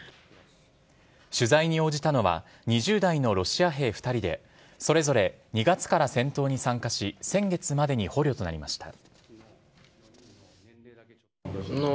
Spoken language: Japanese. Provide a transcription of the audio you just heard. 取材に応じたのは２０代のロシア兵２人でそれぞれ２月から戦闘に参加し先月までに捕虜となりました。